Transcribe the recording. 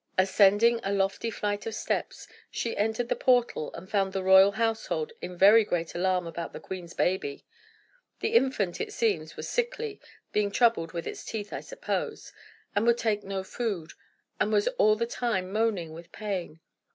Ascending a lofty flight of steps, she entered the portal, and found the royal household in very great alarm about the queen's baby. The infant, it seems, was sickly (being troubled with its teeth, I suppose), and would take no food, and was all the time moaning with pain.